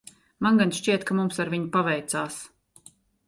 Man gan šķiet, ka mums ar viņu paveicās.